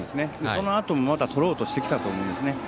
そのあともまた取ろうとしてきたと思うんです。